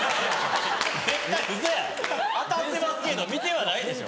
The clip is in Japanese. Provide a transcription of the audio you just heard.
絶対ウソや当たってますけど見てはないでしょ。